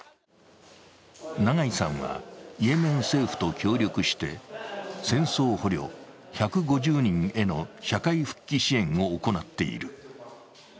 永井さんはイエメン政府と協力して戦争捕虜１５０人への社会復帰支援を行っている。